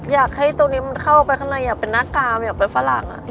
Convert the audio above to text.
อยากให้ตัวเนี้ยมันเข้าไปเข้านายอยากเป็นหน้ากามอยากเป็นฝรั่งอ่ะ